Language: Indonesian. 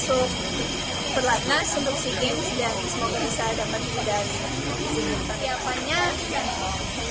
sejak jadi tanepan kita masuk berlatnah sebuah sea games dan semoga bisa dapatkan kejadian